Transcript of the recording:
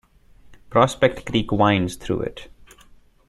Prospect Creek winds through it.